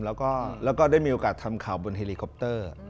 แล้วก็ได้มีโอกาสทำข่าวบนเฮลิคอปเตอร์